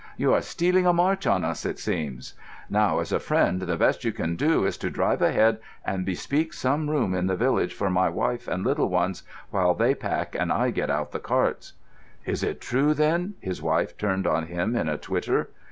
"You are stealing a march on us, it seems? Now as a friend the best you can do is to drive ahead and bespeak some room at the village for my wife and little ones, while they pack and I get out the carts." "Is it true, then?" His wife turned on him in a twitter.